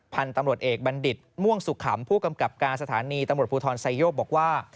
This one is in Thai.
พันธุ์ตำรวจเอกบัณฑิตม่วงสุขำผู้กำกับการสถานีตำรวจภูทรไซโยกบอกว่า